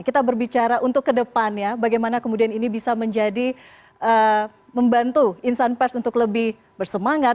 kita berbicara untuk kedepannya bagaimana kemudian ini bisa menjadi membantu insan pers untuk lebih bersemangat